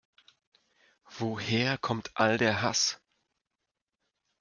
Woher kommt all der Hass?